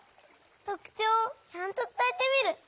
とくちょうをちゃんとつたえてみる！